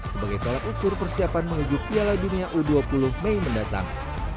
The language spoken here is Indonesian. sebagai tolak ukur persiapan menuju piala dunia u dua puluh mei mendatang